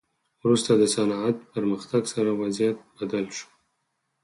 وروسته د صنعت پرمختګ سره وضعیت بدل شو.